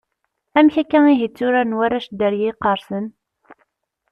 Amek akka ihi i tturaren warrac Dderya iqersen?